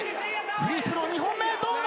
フリースロー２本目どうだ！？